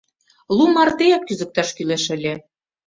Лу мартеак кӱзыкташ кӱлеш ыле!